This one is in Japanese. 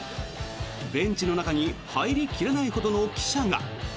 ベンチの中に入り切らないほどの記者が。